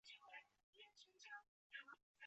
阴蒂肥大不同于性刺激下阴蒂的自然增大。